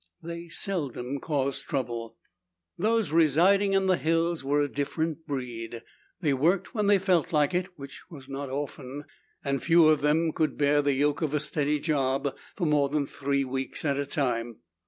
They seldom caused trouble. Those residing in the hills were a different breed. They worked when they felt like it, which was not often, and few of them could bear the yoke of a steady job for more than three weeks at a time.